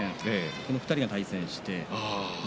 この２人が対戦して翠